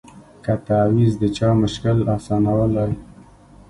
که تعویذ د چا مشکل آسانولای